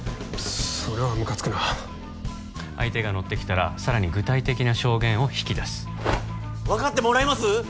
それはムカつくな相手が乗ってきたらさらに具体的な証言を引き出す分かってもらえます？